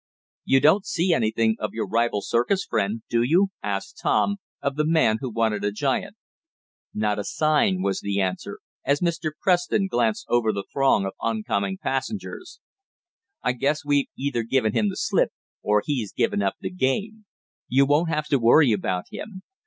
"You don't see anything of your rival circus friend, do you?" asked Tom, of the man who wanted a giant. "Not a sign," was the answer, as Mr. Preston glanced over the throng of on coming passengers. "I guess we've either given him the slip, or he's given up the game. You won't have to worry about him.